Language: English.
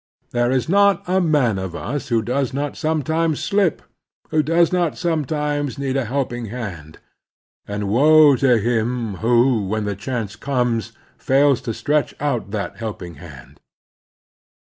There is not a man of us who does not sometimes slip, who does not sometimes need a helping hand ; and woe to him who, when the chance comes, fails to stretch out that helping hand.